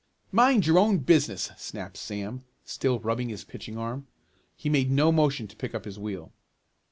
"Mind your own business!" snapped Sam, still rubbing his pitching arm. He made no motion to pick up his wheel.